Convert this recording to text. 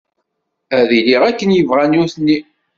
Ad iliɣ akken i bɣan nutni.